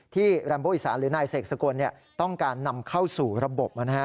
แรมโบอีสานหรือนายเสกสกลต้องการนำเข้าสู่ระบบ